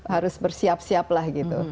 harus bersiap siap lah gitu